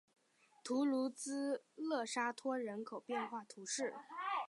图卢兹勒沙托人口变化图示